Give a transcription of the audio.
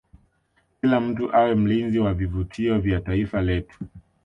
kila mtu awe mlinzi wa vivutio vya taifa letu